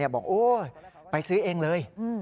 บอกไปซื้อเองเลย